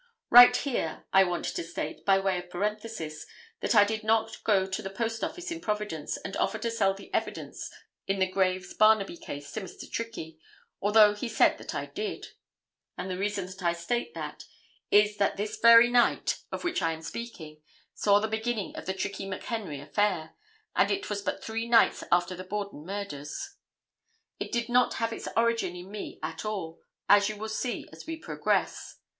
Right here I want to state, by way of parenthesis, that I did not go to the post office in Providence and offer to sell the evidence in the Graves Barnaby case to Mr. Trickey, although he said that I did. And the reason that I state that, is that this very night, of which I am speaking, saw the beginning of the Trickey McHenry affair, and it was but three nights after the Borden murders. It did not have its origin in me at all, as you will see as we progress.